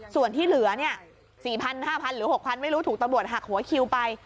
ส่วนที่เหลือ๔๐๐๕๐๐หรือ๖๐๐ไม่รู้ถูกตำรวจหักหัวคิวไป